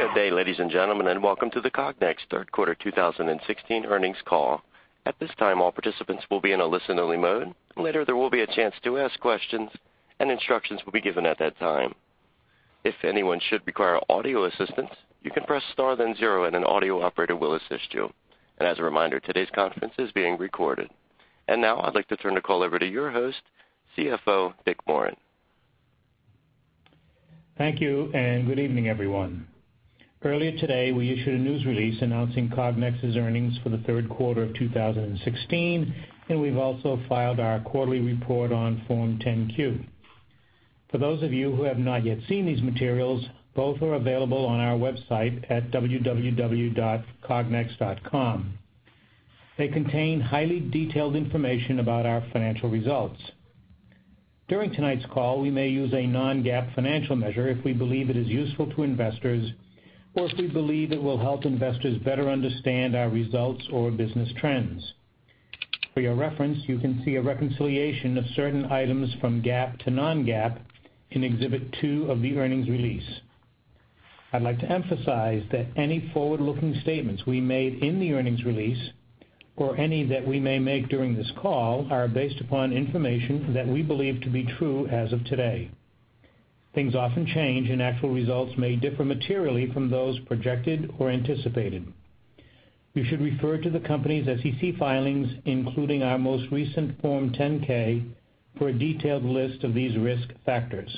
Good day, ladies and gentlemen, and welcome to the Cognex third quarter 2016 earnings call. At this time, all participants will be in a listen-only mode. Later, there will be a chance to ask questions, and instructions will be given at that time. If anyone should require audio assistance, you can press star then zero, and an audio operator will assist you. And as a reminder, today's conference is being recorded. And now, I'd like to turn the call over to your host, CFO Dick Moran. Thank you, and good evening, everyone. Earlier today, we issued a news release announcing Cognex's earnings for the third quarter of 2016, and we've also filed our quarterly report on Form 10-Q. For those of you who have not yet seen these materials, both are available on our website at www.cognex.com. They contain highly detailed information about our financial results. During tonight's call, we may use a non-GAAP financial measure if we believe it is useful to investors, or if we believe it will help investors better understand our results or business trends. For your reference, you can see a reconciliation of certain items from GAAP to non-GAAP in Exhibit 2 of the earnings release. I'd like to emphasize that any forward-looking statements we made in the earnings release, or any that we may make during this call, are based upon information that we believe to be true as of today. Things often change, and actual results may differ materially from those projected or anticipated. You should refer to the company's SEC filings, including our most recent Form 10-K, for a detailed list of these risk factors.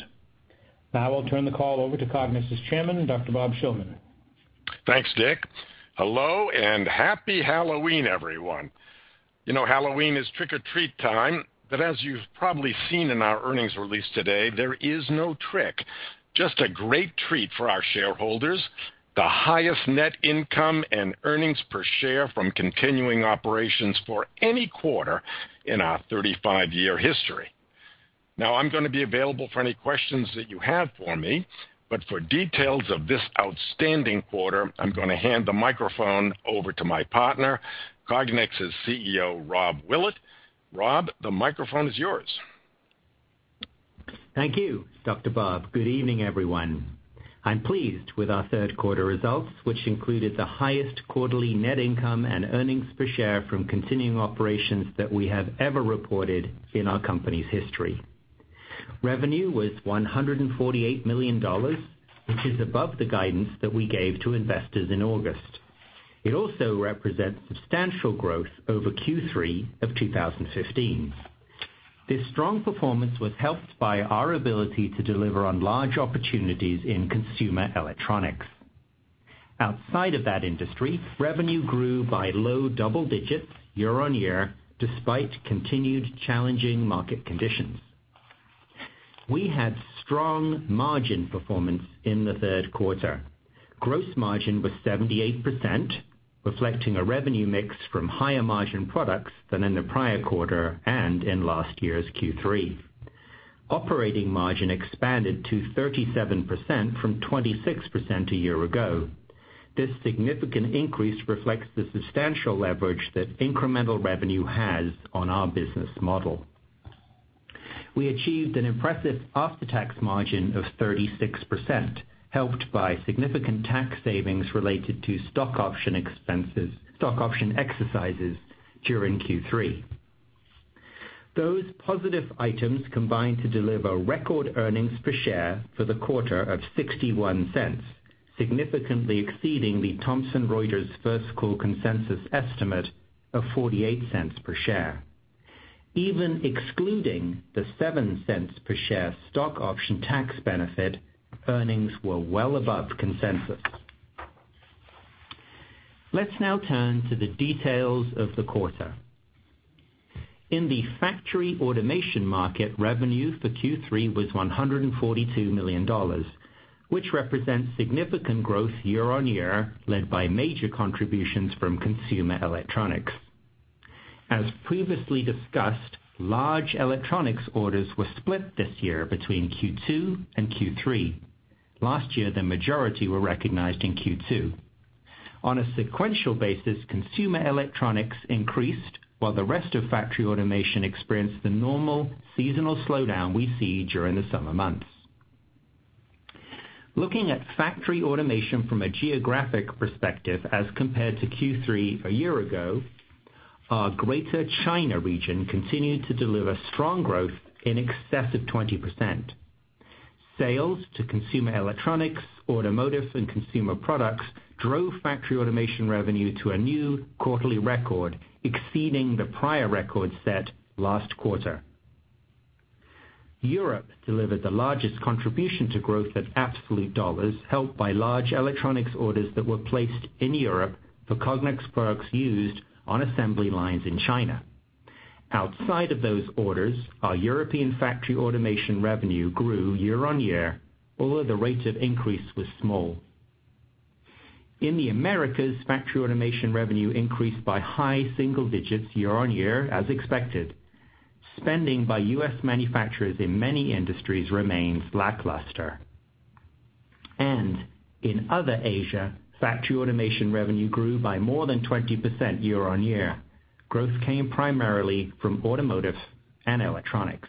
Now, I'll turn the call over to Cognex's Chairman, Dr. Bob Shillman. Thanks, Dick. Hello, and happy Halloween, everyone. You know, Halloween is trick-or-treat time, but as you've probably seen in our earnings release today, there is no trick, just a great treat for our shareholders: the highest net income and earnings per share from continuing operations for any quarter in our 35-year history. Now, I'm going to be available for any questions that you have for me, but for details of this outstanding quarter, I'm going to hand the microphone over to my partner, Cognex's CEO, Rob Willett. Rob, the microphone is yours. Thank you, Dr. Bob. Good evening, everyone. I'm pleased with our third quarter results, which included the highest quarterly net income and earnings per share from continuing operations that we have ever reported in our company's history. Revenue was $148 million, which is above the guidance that we gave to investors in August. It also represents substantial growth over Q3 of 2015. This strong performance was helped by our ability to deliver on large opportunities in consumer electronics. Outside of that industry, revenue grew by low double digits year-over-year, despite continued challenging market conditions. We had strong margin performance in the third quarter. Gross margin was 78%, reflecting a revenue mix from higher margin products than in the prior quarter and in last year's Q3. Operating margin expanded to 37% from 26% a year ago. This significant increase reflects the substantial leverage that incremental revenue has on our business model. We achieved an impressive after-tax margin of 36%, helped by significant tax savings related to stock option exercises during Q3. Those positive items combined to deliver record earnings per share for the quarter of $0.61, significantly exceeding the Thomson Reuters First Call consensus estimate of $0.48 per share. Even excluding the $0.07 per share stock option tax benefit, earnings were well above consensus. Let's now turn to the details of the quarter. In the factory automation market, revenue for Q3 was $142 million, which represents significant growth year-over-year, led by major contributions from consumer electronics. As previously discussed, large electronics orders were split this year between Q2 and Q3. Last year, the majority were recognized in Q2. On a sequential basis, consumer electronics increased, while the rest of factory automation experienced the normal seasonal slowdown we see during the summer months. Looking at factory automation from a geographic perspective as compared to Q3 a year ago, our Greater China region continued to deliver strong growth in excess of 20%. Sales to consumer electronics, automotive, and consumer products drove factory automation revenue to a new quarterly record, exceeding the prior record set last quarter. Europe delivered the largest contribution to growth at absolute dollars, helped by large electronics orders that were placed in Europe for Cognex products used on assembly lines in China. Outside of those orders, our European factory automation revenue grew year-on-year, although the rate of increase was small. In the Americas, factory automation revenue increased by high single digits year-on-year, as expected. Spending by U.S. manufacturers in many industries remains lackluster. In other Asia, factory automation revenue grew by more than 20% year-over-year. Growth came primarily from automotive and electronics.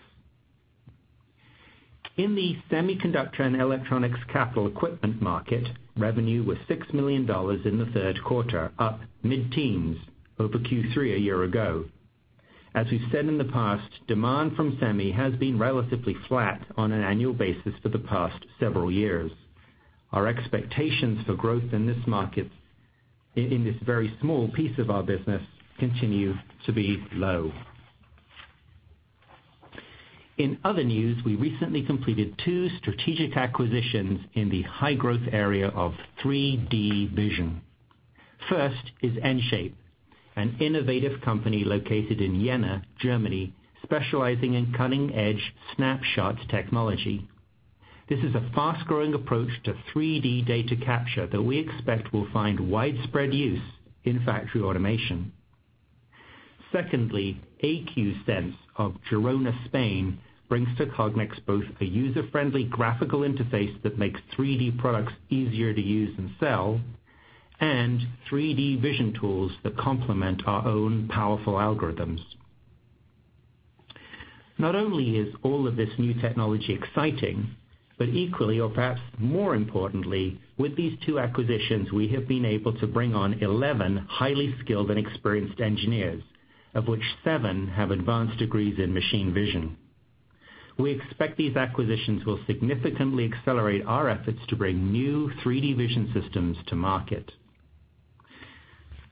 In the semiconductor and electronics capital equipment market, revenue was $6 million in the third quarter, up mid-teens over Q3 a year ago. As we've said in the past, demand from semi has been relatively flat on an annual basis for the past several years. Our expectations for growth in this market, in this very small piece of our business, continue to be low. In other news, we recently completed two strategic acquisitions in the high-growth area of 3D vision. First is EnShape, an innovative company located in Jena, Germany, specializing in cutting-edge snapshot technology. This is a fast-growing approach to 3D data capture that we expect will find widespread use in factory automation. Secondly, AQSense of Girona, Spain, brings to Cognex both a user-friendly graphical interface that makes 3D products easier to use and sell, and 3D Vision tools that complement our own powerful algorithms. Not only is all of this new technology exciting, but equally, or perhaps more importantly, with these two acquisitions, we have been able to bring on 11 highly skilled and experienced engineers, of which 7 have advanced degrees in machine vision. We expect these acquisitions will significantly accelerate our efforts to bring new 3D Vision systems to market.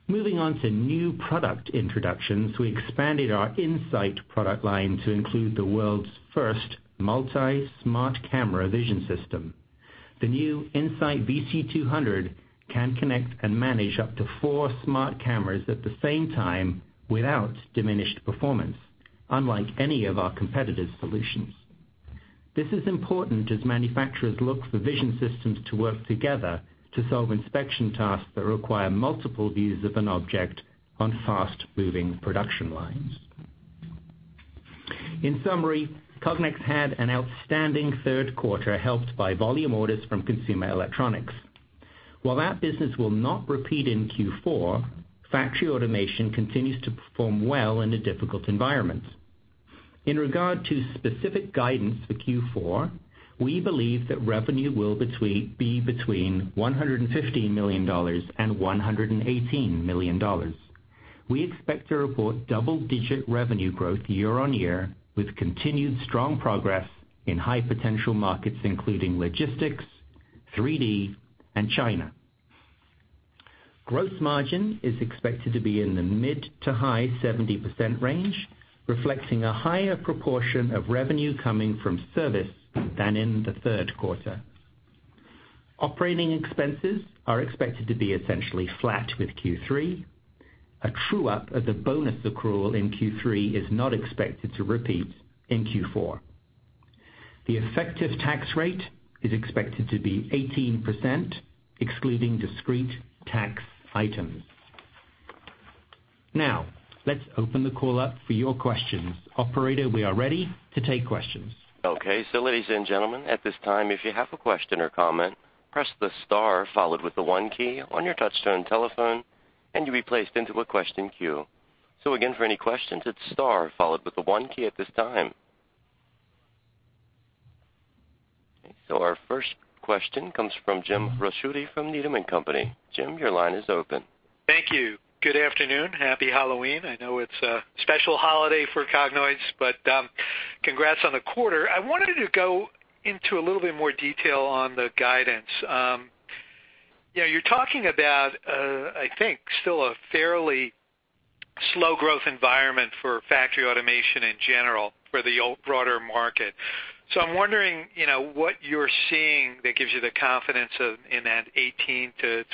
Moving on to new product introductions, we expanded our In-Sight product line to include the world's first multi-smart camera vision system. The new In-Sight VC200 can connect and manage up to four smart cameras at the same time without diminished performance, unlike any of our competitors' solutions. This is important as manufacturers look for vision systems to work together to solve inspection tasks that require multiple views of an object on fast-moving production lines. In summary, Cognex had an outstanding third quarter helped by volume orders from consumer electronics. While that business will not repeat in Q4, factory automation continues to perform well in a difficult environment. In regard to specific guidance for Q4, we believe that revenue will be between $115 million and $118 million. We expect to report double-digit revenue growth year-on-year, with continued strong progress in high-potential markets including logistics, 3D, and China. Gross margin is expected to be in the mid to high 70% range, reflecting a higher proportion of revenue coming from service than in the third quarter. Operating expenses are expected to be essentially flat with Q3. A true-up of the bonus accrual in Q3 is not expected to repeat in Q4. The effective tax rate is expected to be 18%, excluding discrete tax items. Now, let's open the call up for your questions. Operator, we are ready to take questions. Okay. So, ladies and gentlemen, at this time, if you have a question or comment, press the star followed by the one key on your touch-tone telephone, and you'll be placed into a question queue. So again, for any questions, it's star followed by the one key at this time. Okay. So our first question comes from James Ricchiuti from Needham & Company. Jim, your line is open. Thank you. Good afternoon. Happy Halloween. I know it's a special holiday for Cognoids, but congrats on the quarter. I wanted to go into a little bit more detail on the guidance. You're talking about, I think, still a fairly slow growth environment for factory automation in general for the broader market. So I'm wondering what you're seeing that gives you the confidence in that 18%-21%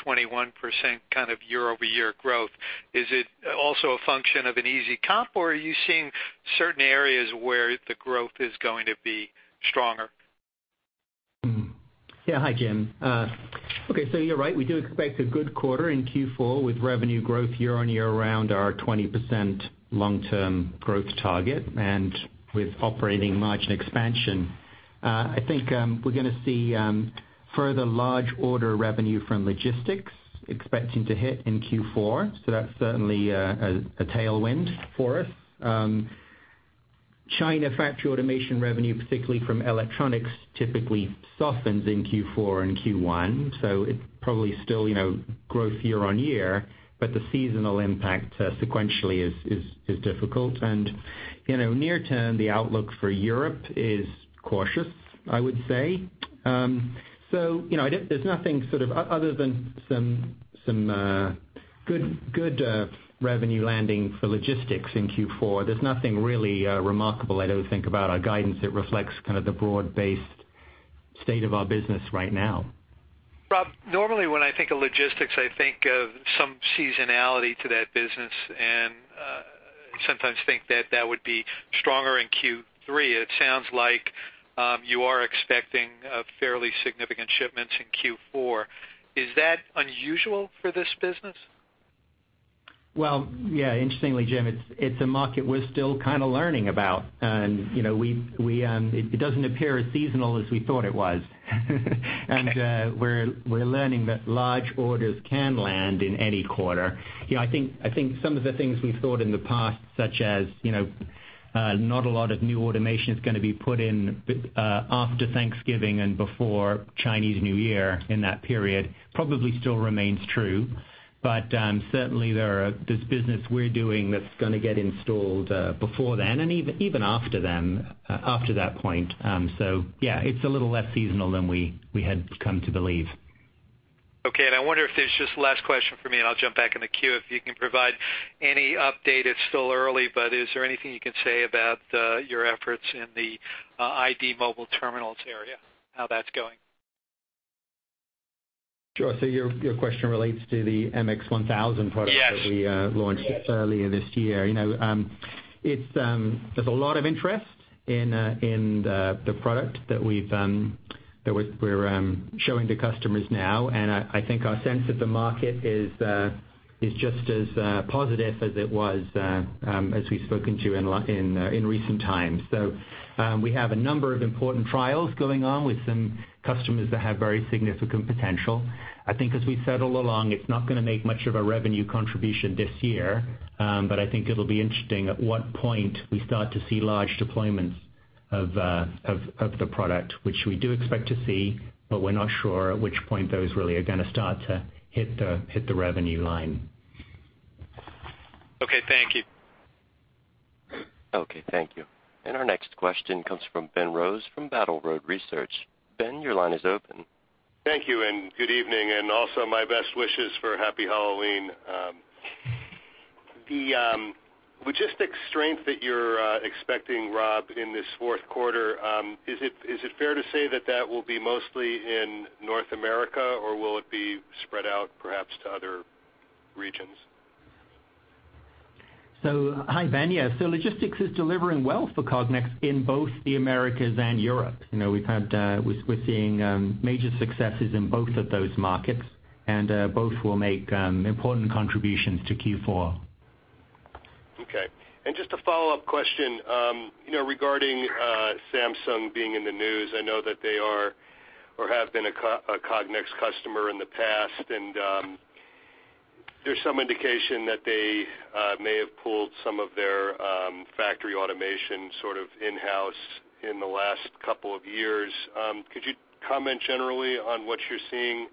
kind of year-over-year growth. Is it also a function of an easy comp, or are you seeing certain areas where the growth is going to be stronger? Yeah. Hi, Jim. Okay. So you're right. We do expect a good quarter in Q4 with revenue growth year-on-year around our 20% long-term growth target and with operating margin expansion. I think we're going to see further large-order revenue from logistics expecting to hit in Q4. So that's certainly a tailwind for us. China factory automation revenue, particularly from electronics, typically softens in Q4 and Q1. So it's probably still growth year-on-year, but the seasonal impact sequentially is difficult. Near-term, the outlook for Europe is cautious, I would say. So there's nothing sort of other than some good revenue landing for logistics in Q4. There's nothing really remarkable, I don't think, about our guidance. It reflects kind of the broad-based state of our business right now. Rob, normally when I think of logistics, I think of some seasonality to that business and sometimes think that that would be stronger in Q3. It sounds like you are expecting fairly significant shipments in Q4. Is that unusual for this business? Well, yeah. Interestingly, Jim, it's a market we're still kind of learning about. It doesn't appear as seasonal as we thought it was. We're learning that large orders can land in any quarter. I think some of the things we've thought in the past, such as not a lot of new automation is going to be put in after Thanksgiving and before Chinese New Year in that period, probably still remains true. Certainly, there's business we're doing that's going to get installed before then and even after that point. Yeah, it's a little less seasonal than we had come to believe. Okay. And I wonder if there's just the last question for me, and I'll jump back in the queue. If you can provide any update, it's still early, but is there anything you can say about your efforts in the ID mobile terminals area, how that's going? Sure. So your question relates to the MX-1000 product that we launched earlier this year. There's a lot of interest in the product that we're showing to customers now. I think our sense of the market is just as positive as it was, as we've spoken to, in recent times. We have a number of important trials going on with some customers that have very significant potential. I think as we settle along, it's not going to make much of a revenue contribution this year, but I think it'll be interesting at what point we start to see large deployments of the product, which we do expect to see, but we're not sure at which point those really are going to start to hit the revenue line. Okay. Thank you. Okay. Thank you. Our next question comes from Ben Rose from Battle Road Research. Ben, your line is open. Thank you. Good evening. Also, my best wishes for Happy Halloween. The logistics strength that you're expecting, Rob, in this fourth quarter, is it fair to say that that will be mostly in North America, or will it be spread out perhaps to other regions? Hi, Ben. Yeah. Logistics is delivering well for Cognex in both the Americas and Europe. We're seeing major successes in both of those markets, and both will make important contributions to Q4. Okay. Just a follow-up question regarding Samsung being in the news. I know that they are or have been a Cognex customer in the past, and there's some indication that they may have pulled some of their factory automation sort of in-house in the last couple of years. Could you comment generally on what you're seeing,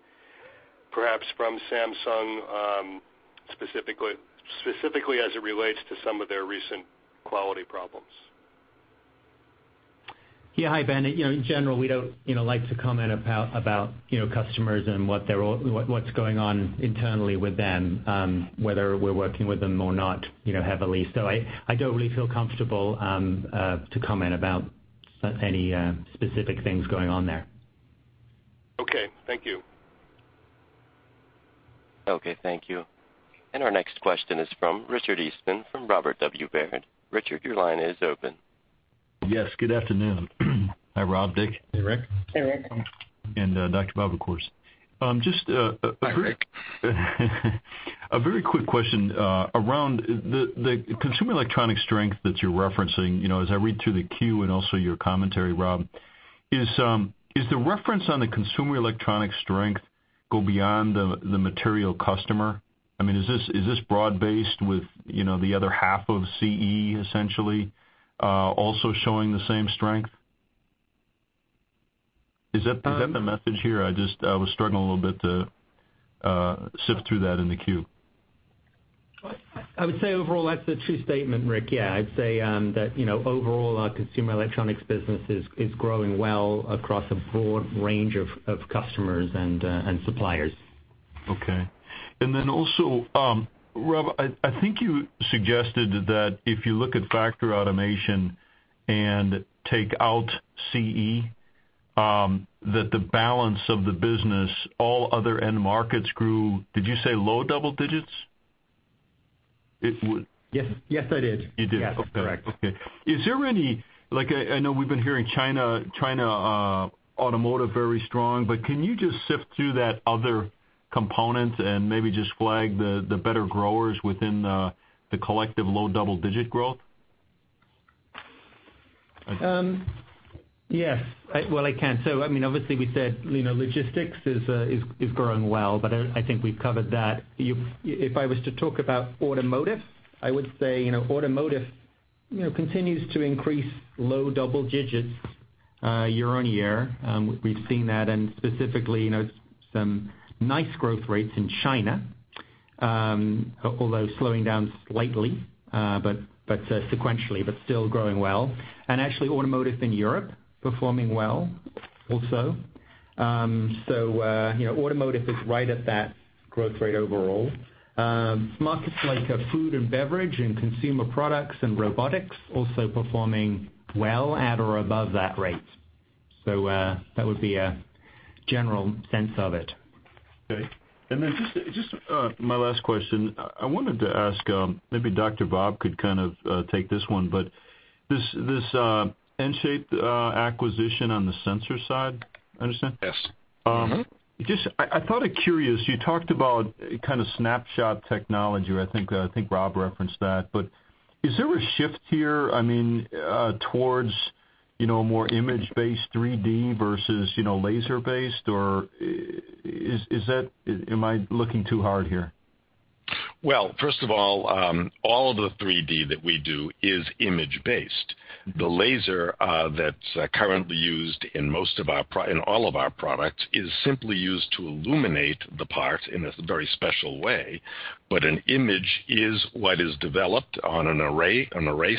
perhaps from Samsung specifically, as it relates to some of their recent quality problems? Yeah. Hi, Ben. In general, we don't like to comment about customers and what's going on internally with them, whether we're working with them or not heavily. So I don't really feel comfortable to comment about any specific things going on there. Okay. Thank you. Okay. Thank you. Our next question is from Richard Eastman from Robert W. Baird. Richard, your line is open. Yes. Good afternoon. Hi, Rob. Dick. Hey, Rick. Hey, Rick. Dr. Bob, of course. Just a very quick question around the consumer electronics strength that you're referencing. As I read through the 10-Q and also your commentary, Rob, is the reference on the consumer electronics strength go beyond the material customer? I mean, is this broad-based with the other half of CE, essentially, also showing the same strength? Is that the message here? I was struggling a little bit to sift through that in the 10-Q. I would say overall, that's a true statement, Rick. Yeah. I'd say that overall, our consumer electronics business is growing well across a broad range of customers and suppliers. Okay. And then also, Rob, I think you suggested that if you look at factory automation and take out CE, that the balance of the business, all other end markets grew, did you say low double digits? Yes. Yes, I did. You did. Okay. Yes. Correct. Okay. Is there any, I know we've been hearing China automotive very strong, but can you just sift through that other component and maybe just flag the better growers within the collective low double-digit growth? Yes. Well, I can. So I mean, obviously, we said logistics is growing well, but I think we've covered that. If I was to talk about automotive, I would say automotive continues to increase low double digits year on year. We've seen that in specifically some nice growth rates in China, although slowing down slightly, but sequentially, but still growing well. And actually, automotive in Europe performing well also. So automotive is right at that growth rate overall. Markets like food and beverage and consumer products and robotics also performing well at or above that rate. So that would be a general sense of it. Okay. Just my last question. I wanted to ask, maybe Dr. Bob could kind of take this one, but this EnShape acquisition on the sensor side, I understand? Yes. I thought it curious. You talked about kind of snapshot technology. I think Rob referenced that. But is there a shift here, I mean, towards more image-based 3D versus laser-based? Or am I looking too hard here? Well, first of all, all of the 3D that we do is image-based. The laser that's currently used in most of our, in all of our products, is simply used to illuminate the part in a very special way. But an image is what is developed on an array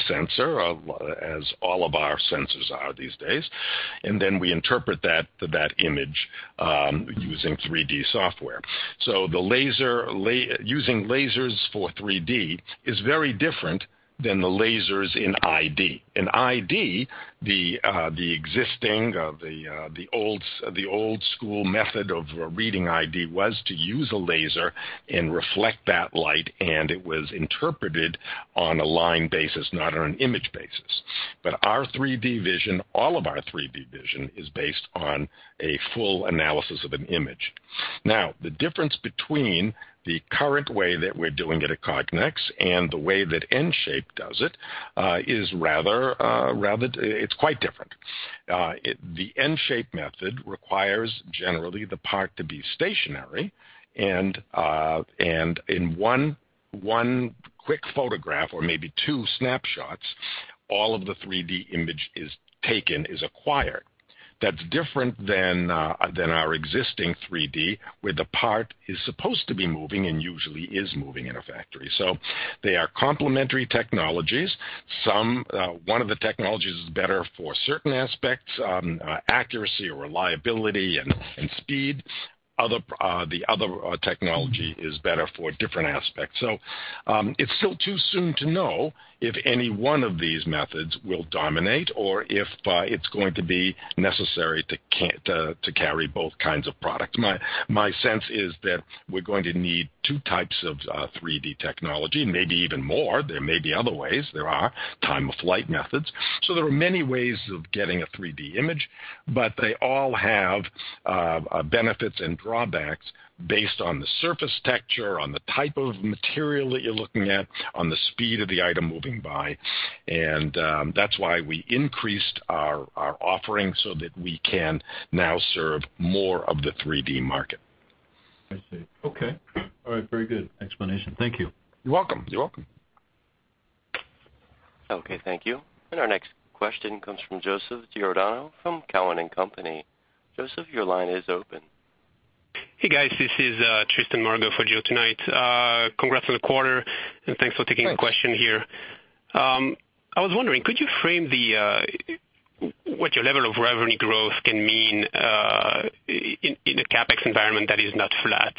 sensor, as all of our sensors are these days. And then we interpret that image using 3D software. So using lasers for 3D is very different than the lasers in ID. In ID, the existing of the old-school method of reading ID was to use a laser and reflect that light, and it was interpreted on a line basis, not on an image basis. But our 3D vision, all of our 3D vision, is based on a full analysis of an image. Now, the difference between the current way that we're doing it at Cognex and the way that EnShape does it is rather, it's quite different. The EnShape method requires generally the part to be stationary. In one quick photograph or maybe two snapshots, all of the 3D image is taken, is acquired. That's different than our existing 3D, where the part is supposed to be moving and usually is moving in a factory. They are complementary technologies. One of the technologies is better for certain aspects: accuracy or reliability and speed. The other technology is better for different aspects. So it's still too soon to know if any one of these methods will dominate or if it's going to be necessary to carry both kinds of products. My sense is that we're going to need two types of 3D technology, maybe even more. There may be other ways. There are time-of-flight methods. So there are many ways of getting a 3D image, but they all have benefits and drawbacks based on the surface texture, on the type of material that you're looking at, on the speed of the item moving by. And that's why we increased our offering so that we can now serve more of the 3D market. I see. Okay. All right. Very good explanation. Thank you. You're welcome. You're welcome. Okay. Thank you. And our next question comes from Joseph Giordano from Cowen & Company. Joseph, your line is open. Hey, guys. This is Tristan Margot for Joe Giordano. Congrats on the quarter, and thanks for taking the question here. I was wondering, could you frame what your level of revenue growth can mean in a CapEx environment that is not flat?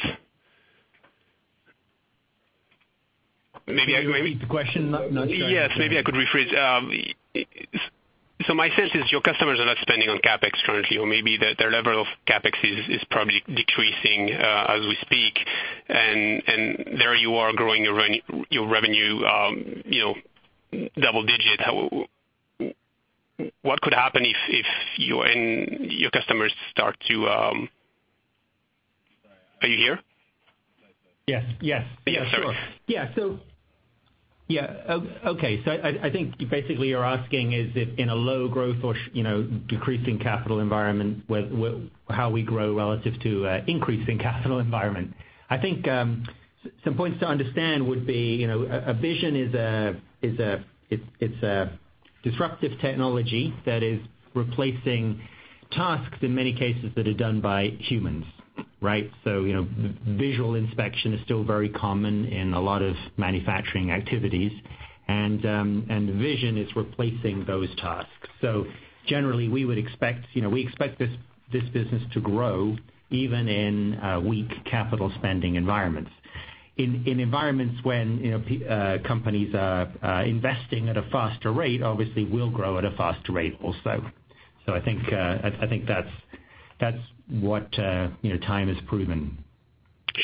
Can you repeat the question? Not sure. Yes. Maybe I could rephrase. So my sense is your customers are not spending on CapEx currently, or maybe their level of CapEx is probably decreasing as we speak. And there you are growing your revenue double-digit. What could happen if your customers start to—are you here? Yes. Yes. Yeah. Sorry. Yeah. So yeah. Okay. So I think basically you're asking, is it in a low-growth or decreasing capital environment how we grow relative to increasing capital environment? I think some points to understand would be a vision is a disruptive technology that is replacing tasks in many cases that are done by humans, right? So visual inspection is still very common in a lot of manufacturing activities. And vision is replacing those tasks. So generally, we would expect, we expect this business to grow even in weak capital spending environments. In environments when companies are investing at a faster rate, obviously, we'll grow at a faster rate also. So I think that's what time has proven.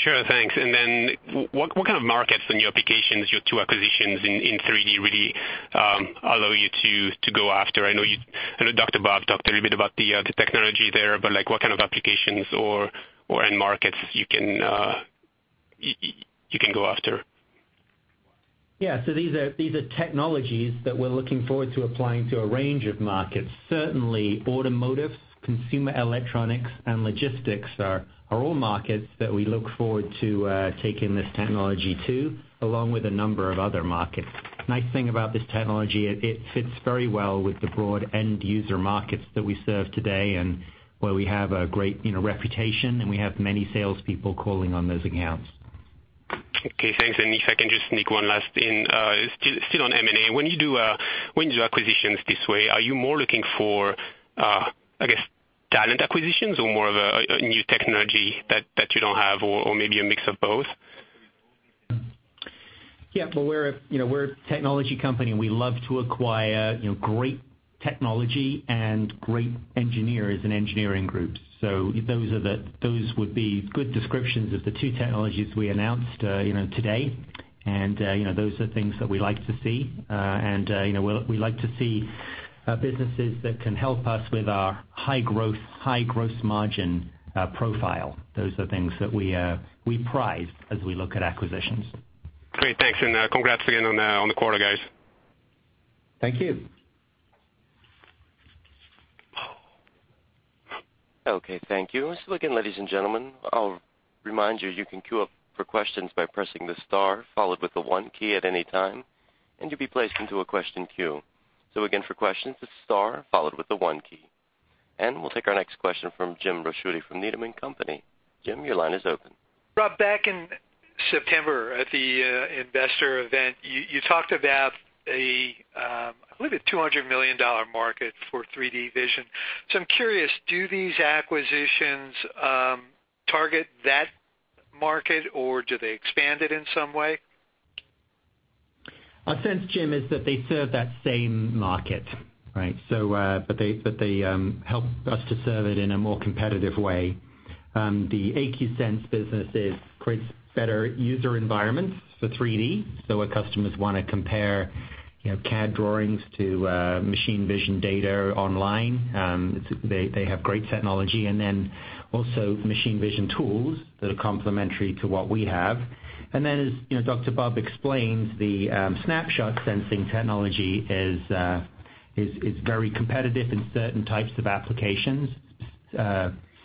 Sure. Thanks. And then what kind of markets and new applications your two acquisitions in 3D really allow you to go after? I know Dr. Bob talked a little bit about the technology there, but what kind of applications or end markets you can go after? Yeah. So these are technologies that we're looking forward to applying to a range of markets. Certainly, automotive, consumer electronics, and logistics are all markets that we look forward to taking this technology to, along with a number of other markets. The nice thing about this technology, it fits very well with the broad end-user markets that we serve today and where we have a great reputation, and we have many salespeople calling on those accounts. Okay. Thanks. And if I can just sneak one last in, still on M&A, when you do acquisitions this way, are you more looking for, I guess, talent acquisitions or more of a new technology that you don't have or maybe a mix of both? Yeah. Well, we're a technology company. We love to acquire great technology and great engineers and engineering groups. So those would be good descriptions of the two technologies we announced today. And those are things that we like to see. And we like to see businesses that can help us with our high-growth, high-gross margin profile. Those are things that we prize as we look at acquisitions. Great. Thanks. Congrats again on the quarter, guys. Thank you. Okay. Thank you. So again, ladies and gentlemen, I'll remind you, you can queue up for questions by pressing the star followed with the one key at any time, and you'll be placed into a question queue. So again, for questions, the star followed with the one key. And we'll take our next question from James Ricchiuti from Needham & Company. Jim, your line is open. Rob, back in September at the investor event, you talked about, I believe, a $200 million market for 3D vision. So I'm curious, do these acquisitions target that market, or do they expand it in some way? Our sense, Jim, is that they serve that same market, right? But they help us to serve it in a more competitive way. The AQSense businesses create better user environments for 3D. So our customers want to compare CAD drawings to machine vision data online. They have great technology. And then also machine vision tools that are complementary to what we have. And then, as Dr. Bob explains, the snapshot sensing technology is very competitive in certain types of applications,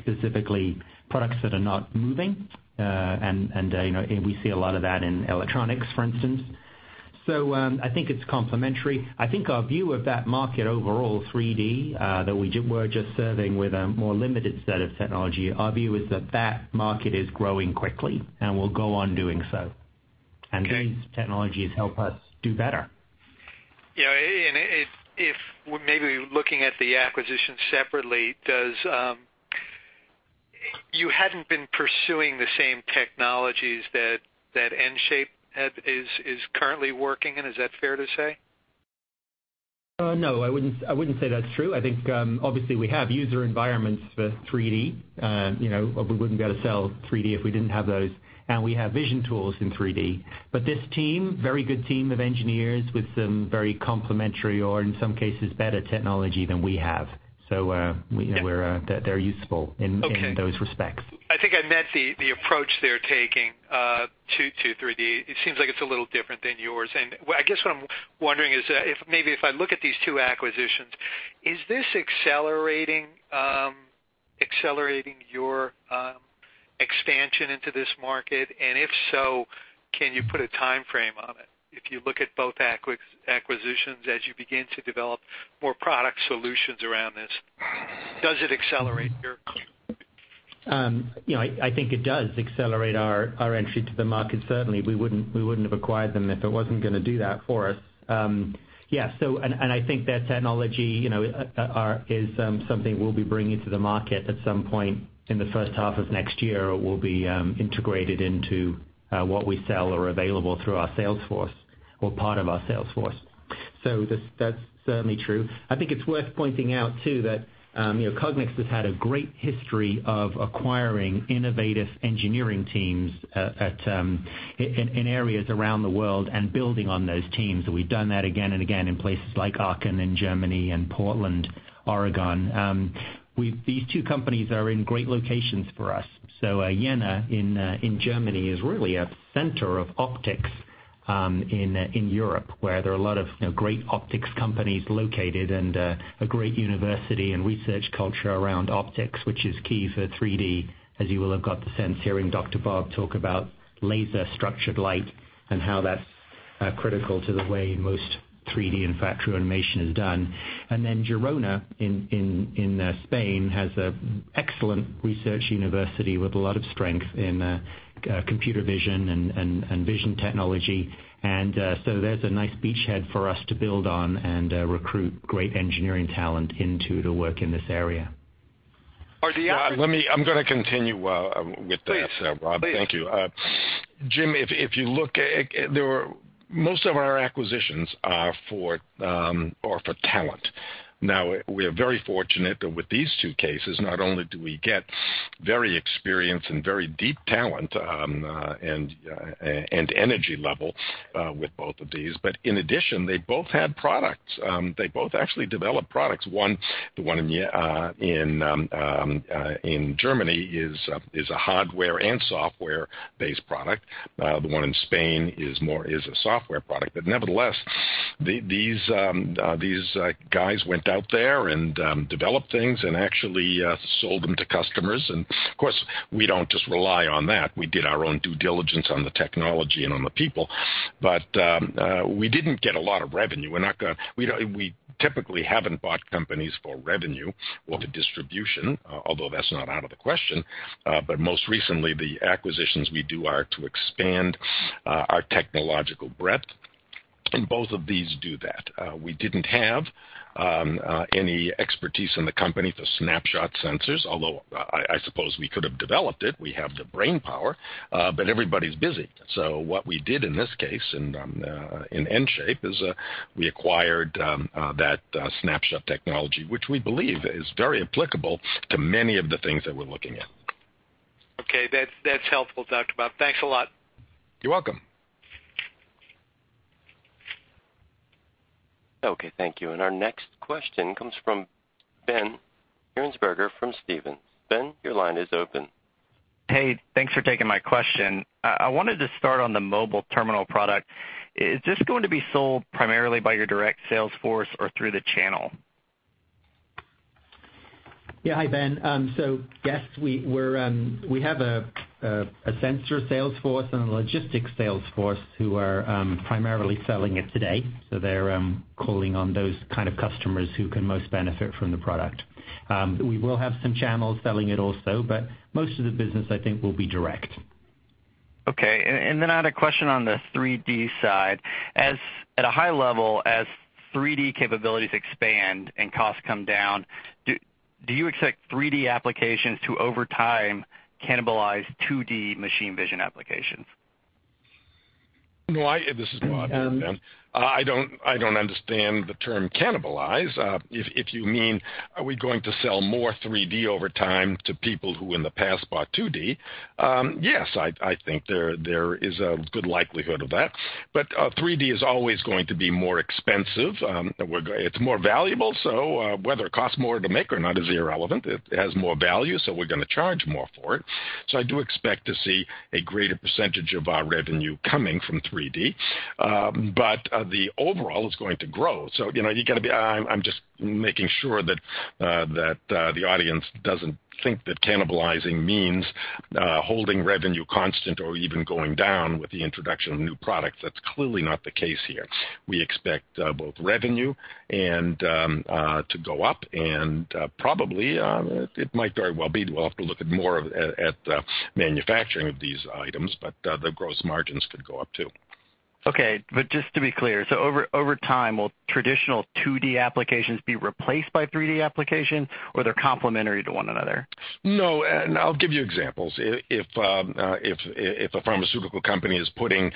specifically products that are not moving. And we see a lot of that in electronics, for instance. So I think it's complementary. I think our view of that market overall, 3D, that we were just serving with a more limited set of technology, our view is that that market is growing quickly and will go on doing so. And these technologies help us do better. Yeah. If maybe looking at the acquisition separately, you hadn't been pursuing the same technologies that EnShape is currently working in. Is that fair to say? No. I wouldn't say that's true. I think, obviously, we have user environments for 3D. We wouldn't be able to sell 3D if we didn't have those. And we have vision tools in 3D. But this team, very good team of engineers with some very complementary or, in some cases, better technology than we have. So they're useful in those respects. I think I met the approach they're taking to 3D. It seems like it's a little different than yours. I guess what I'm wondering is, maybe if I look at these two acquisitions, is this accelerating your expansion into this market? If so, can you put a timeframe on it? If you look at both acquisitions as you begin to develop more product solutions around this, does it accelerate your? I think it does accelerate our entry to the market, certainly. We wouldn't have acquired them if it wasn't going to do that for us. Yeah. And I think that technology is something we'll be bringing to the market at some point in the first half of next year. It will be integrated into what we sell or available through our sales force or part of our sales force. So that's certainly true. I think it's worth pointing out too that Cognex has had a great history of acquiring innovative engineering teams in areas around the world and building on those teams. And we've done that again and again in places like Aachen in Germany and Portland, Oregon. These two companies are in great locations for us. So Jena in Germany is really at the center of optics in Europe, where there are a lot of great optics companies located and a great university and research culture around optics, which is key for 3D, as you will have got the sense hearing Dr. Bob talk about laser-structured light and how that's critical to the way most 3D and factory automation is done. And then Girona in Spain has an excellent research university with a lot of strength in computer vision and vision technology. And so there's a nice beachhead for us to build on and recruit great engineering talent into the work in this area. I'm going to continue with this, Rob. Thank you. Jim, if you look, most of our acquisitions are for talent. Now, we are very fortunate that with these two cases, not only do we get very experienced and very deep talent and energy level with both of these, but in addition, they both had products. They both actually developed products. The one in Germany is a hardware and software-based product. The one in Spain is a software product. But nevertheless, these guys went out there and developed things and actually sold them to customers. And of course, we don't just rely on that. We did our own due diligence on the technology and on the people. But we didn't get a lot of revenue. We typically haven't bought companies for revenue or for distribution, although that's not out of the question. Most recently, the acquisitions we do are to expand our technological breadth. Both of these do that. We didn't have any expertise in the company for snapshot sensors, although I suppose we could have developed it. We have the brainpower. Everybody's busy. What we did in this case in EnShape is we acquired that snapshot technology, which we believe is very applicable to many of the things that we're looking at. Okay. That's helpful, Dr. Bob. Thanks a lot. You're welcome. Okay. Thank you. Our next question comes from Ben Hearnsberger from Stephens. Ben, your line is open. Hey, thanks for taking my question. I wanted to start on the mobile terminal product. Is this going to be sold primarily by your direct sales force or through the channel? Yeah. Hi, Ben. So yes, we have a sensor sales force and a logistics sales force who are primarily selling it today. So they're calling on those kind of customers who can most benefit from the product. We will have some channels selling it also, but most of the business, I think, will be direct. Okay. Then I had a question on the 3D side. At a high level, as 3D capabilities expand and costs come down, do you expect 3D applications to over time cannibalize 2D machine vision applications? No, this is Bob. I don't understand the term cannibalize. If you mean, are we going to sell more 3D over time to people who in the past bought 2D? Yes, I think there is a good likelihood of that. But 3D is always going to be more expensive. It's more valuable. So whether it costs more to make or not is irrelevant. It has more value, so we're going to charge more for it. So I do expect to see a greater percentage of our revenue coming from 3D. But the overall is going to grow. So you've got to be. I'm just making sure that the audience doesn't think that cannibalizing means holding revenue constant or even going down with the introduction of new products. That's clearly not the case here. We expect both revenue to go up, and probably it might very well be, we'll have to look at more of the manufacturing of these items, but the gross margins could go up too. Okay. Just to be clear, over time, will traditional 2D applications be replaced by 3D applications, or are they complementary to one another? No. And I'll give you examples. If a pharmaceutical company is putting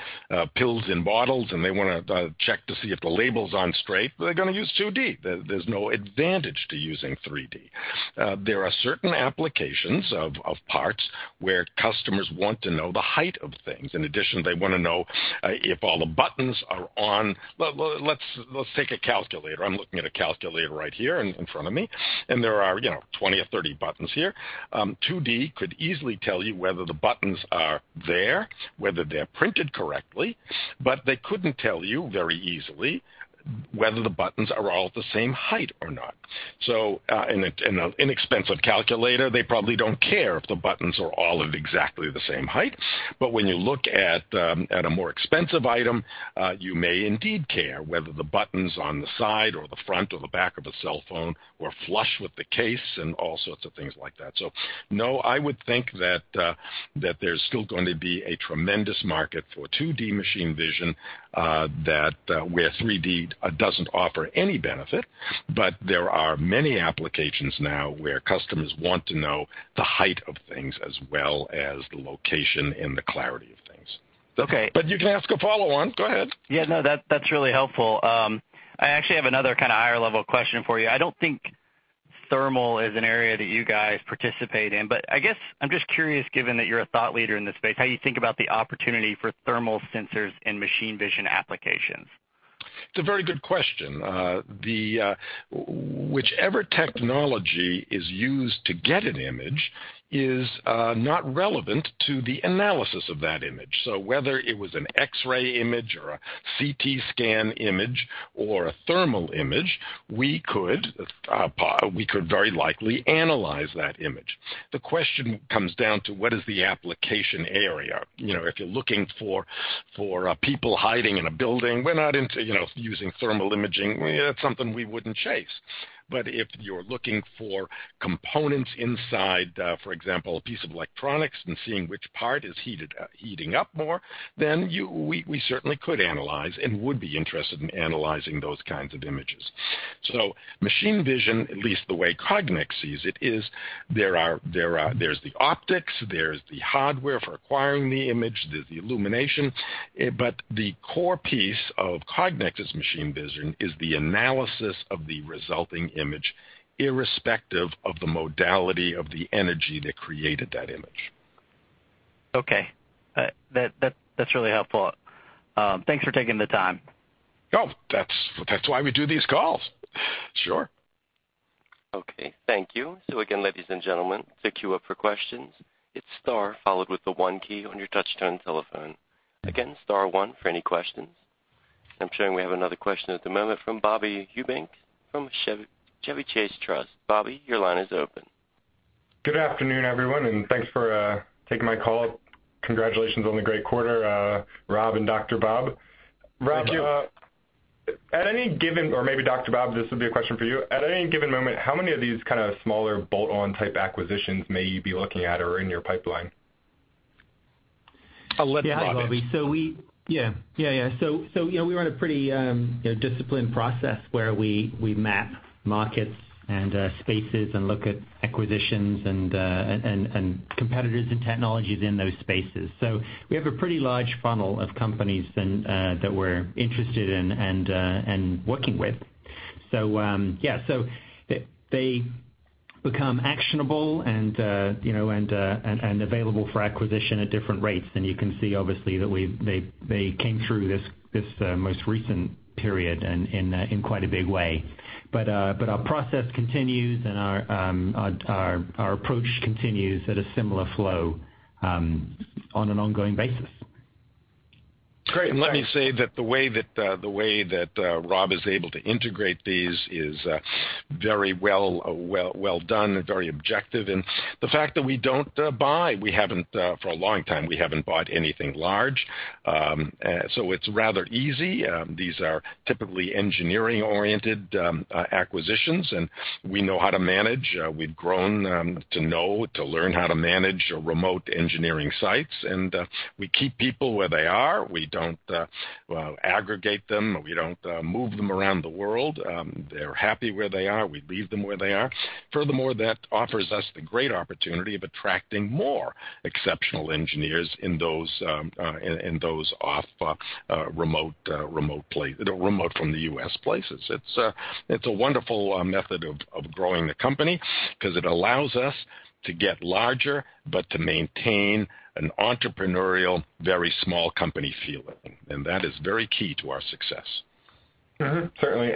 pills in bottles and they want to check to see if the label's on straight, they're going to use 2D. There's no advantage to using 3D. There are certain applications of parts where customers want to know the height of things. In addition, they want to know if all the buttons are on. Let's take a calculator. I'm looking at a calculator right here in front of me, and there are 20 or 30 buttons here. 2D could easily tell you whether the buttons are there, whether they're printed correctly, but they couldn't tell you very easily whether the buttons are all at the same height or not. So in an inexpensive calculator, they probably don't care if the buttons are all at exactly the same height. But when you look at a more expensive item, you may indeed care whether the buttons on the side or the front or the back of a cell phone were flush with the case and all sorts of things like that. So no, I would think that there's still going to be a tremendous market for 2D machine vision where 3D doesn't offer any benefit. But there are many applications now where customers want to know the height of things as well as the location and the clarity of things. But you can ask a follow-on. Go ahead. Yeah. No, that's really helpful. I actually have another kind of higher-level question for you. I don't think thermal is an area that you guys participate in. But I guess I'm just curious, given that you're a thought leader in this space, how you think about the opportunity for thermal sensors in machine vision applications. It's a very good question. Whichever technology is used to get an image is not relevant to the analysis of that image. So whether it was an X-ray image or a CT scan image or a thermal image, we could very likely analyze that image. The question comes down to what is the application area. If you're looking for people hiding in a building, we're not into using thermal imaging. That's something we wouldn't chase. But if you're looking for components inside, for example, a piece of electronics and seeing which part is heating up more, then we certainly could analyze and would be interested in analyzing those kinds of images. So machine vision, at least the way Cognex sees it, is there's the optics, there's the hardware for acquiring the image, there's the illumination. But the core piece of Cognex's machine vision is the analysis of the resulting image irrespective of the modality of the energy that created that image. Okay. That's really helpful. Thanks for taking the time. Oh, that's why we do these calls. Sure. Okay. Thank you. So again, ladies and gentlemen, to queue up for questions, it's star followed with the one key on your touch-tone telephone. Again, star one for any questions. I'm showing we have another question at the moment from Bobby Eubank from Chevy Chase Trust. Bobby, your line is open. Good afternoon, everyone. Thanks for taking my call. Congratulations on the great quarter, Rob and Dr. Bob. Rob, at any given - or maybe Dr. Bob, this would be a question for you - at any given moment, how many of these kind of smaller bolt-on type acquisitions may you be looking at or in your pipeline? So we run a pretty disciplined process where we map markets and spaces and look at acquisitions and competitors and technologies in those spaces. So we have a pretty large funnel of companies that we're interested in and working with. So yeah. So they become actionable and available for acquisition at different rates. And you can see, obviously, that they came through this most recent period in quite a big way. But our process continues and our approach continues at a similar flow on an ongoing basis. Great. And let me say that the way that Rob is able to integrate these is very well done and very objective. And the fact that we don't buy, for a long time, we haven't bought anything large. So it's rather easy. These are typically engineering-oriented acquisitions, and we know how to manage. We've grown to learn how to manage remote engineering sites. And we keep people where they are. We don't aggregate them. We don't move them around the world. They're happy where they are. We leave them where they are. Furthermore, that offers us the great opportunity of attracting more exceptional engineers in those off-remote from the U.S. places. It's a wonderful method of growing the company because it allows us to get larger but to maintain an entrepreneurial, very small company feeling. And that is very key to our success. Certainly.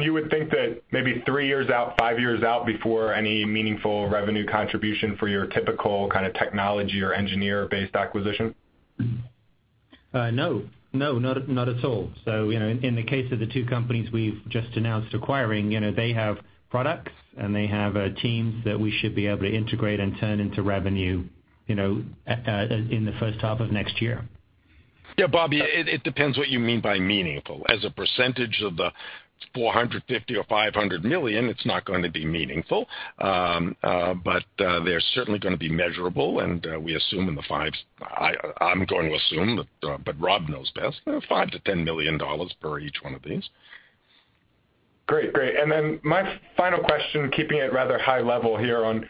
You would think that maybe 3 years out, 5 years out, before any meaningful revenue contribution for your typical kind of technology or engineer-based acquisition? No. No, not at all. So in the case of the two companies we've just announced acquiring, they have products and they have teams that we should be able to integrate and turn into revenue in the first half of next year. Yeah. Bobby, it depends what you mean by meaningful. As a percentage of the $450 million or $500 million, it's not going to be meaningful. But they're certainly going to be measurable. And we assume in the five, I'm going to assume, but Rob knows best, $5 million-$10 million for each one of these. Great. Great. And then my final question, keeping it rather high level here on,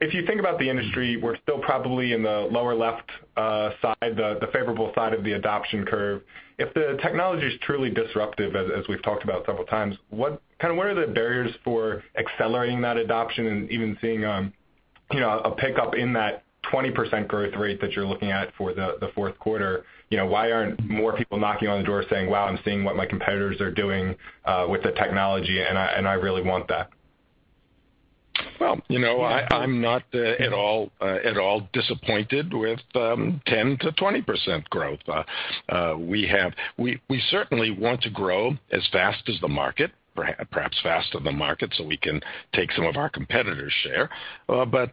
if you think about the industry, we're still probably in the lower left side, the favorable side of the adoption curve. If the technology is truly disruptive, as we've talked about several times, kind of what are the barriers for accelerating that adoption and even seeing a pickup in that 20% growth rate that you're looking at for the fourth quarter? Why aren't more people knocking on the door saying, "Wow, I'm seeing what my competitors are doing with the technology, and I really want that"? Well, I'm not at all disappointed with 10%-20% growth. We certainly want to grow as fast as the market, perhaps faster than the market so we can take some of our competitors' share. But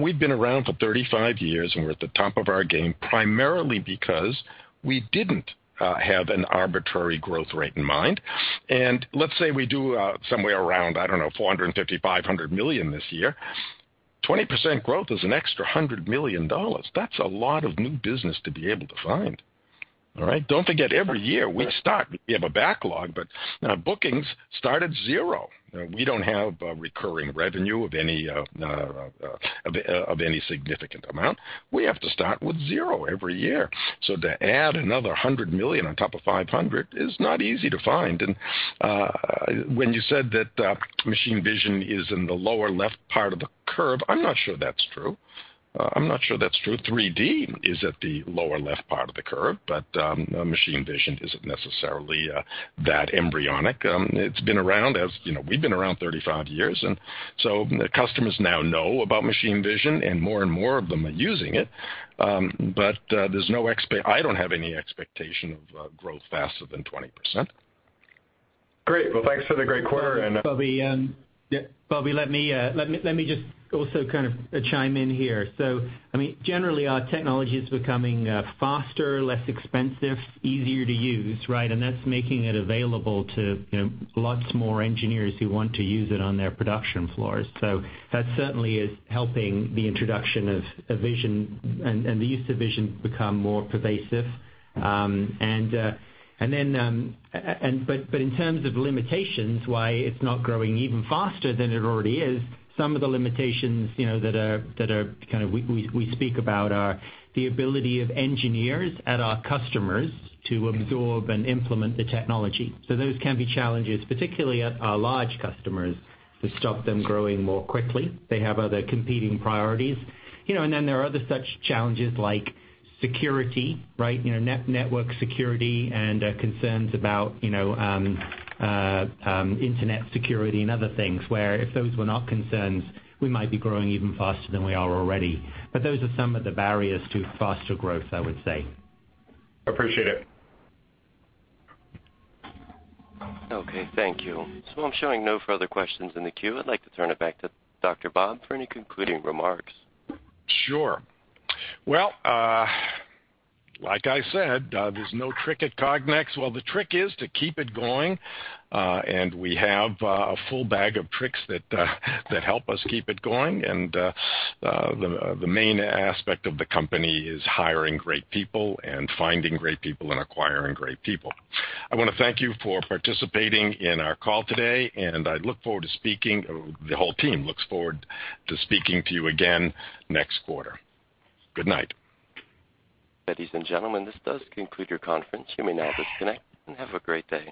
we've been around for 35 years, and we're at the top of our game primarily because we didn't have an arbitrary growth rate in mind. And let's say we do somewhere around, I don't know, $450 million-$500 million this year. 20% growth is an extra $100 million. That's a lot of new business to be able to find. All right? Don't forget, every year we start. We have a backlog, but bookings start at zero. We don't have recurring revenue of any significant amount. We have to start with zero every year. So to add another $100 million on top of $500 million is not easy to find. When you said that machine vision is in the lower left part of the curve, I'm not sure that's true. I'm not sure that's true. 3D is at the lower left part of the curve, but machine vision isn't necessarily that embryonic. It's been around. We've been around 35 years. And so customers now know about machine vision, and more and more of them are using it. But I don't have any expectation of growth faster than 20%. Great. Well, thanks for the great quarter. Bobby, let me just also kind of chime in here. So I mean, generally, our technology is becoming faster, less expensive, easier to use, right? And that's making it available to lots more engineers who want to use it on their production floors. So that certainly is helping the introduction of vision and the use of vision become more pervasive. And then, but in terms of limitations, why it's not growing even faster than it already is, some of the limitations that are kind of we speak about are the ability of engineers at our customers to absorb and implement the technology. So those can be challenges, particularly at our large customers, to stop them growing more quickly. They have other competing priorities. And then there are other such challenges like security, right? Network security and concerns about internet security and other things where if those were not concerns, we might be growing even faster than we are already. But those are some of the barriers to faster growth, I would say. Appreciate it. Okay. Thank you. So I'm showing no further questions in the queue. I'd like to turn it back to Dr. Bob for any concluding remarks. Sure. Well, like I said, there's no trick at Cognex. Well, the trick is to keep it going. And we have a full bag of tricks that help us keep it going. And the main aspect of the company is hiring great people and finding great people and acquiring great people. I want to thank you for participating in our call today, and I look forward to speaking, the whole team looks forward to speaking to you again next quarter. Good night. Ladies and gentlemen, this does conclude your conference. You may now disconnect and have a great day.